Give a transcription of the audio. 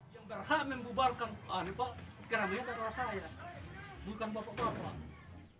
yang berhak membubarkan ini pak keramian dari saya bukan bapak bapak